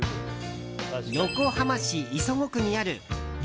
横浜市磯子区にある激